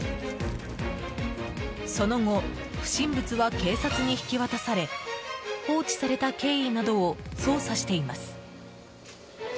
その後、不審物は警察に引き渡され放置された経緯などを捜査しています。